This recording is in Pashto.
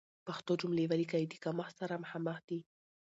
پښتو جملې وليکئ، د کمښت سره مخامخ دي.